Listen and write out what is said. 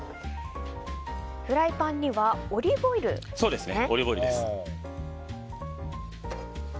フライパンにはオリーブオイルですね。